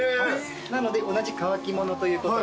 なので同じ乾きものということで。